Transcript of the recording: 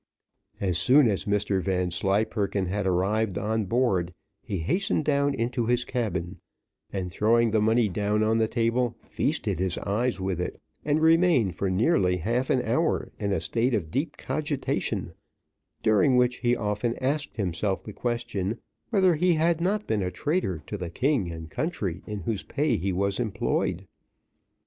As soon as Mr Vanslyperken had arrived on board, he hastened down into his cabin, and throwing the money down on the table, feasted his eyes with it, and remained for nearly half an hour in a state of deep cogitation, during which he often asked himself the question, whether he had not been a traitor to the king and country in whose pay he was employed.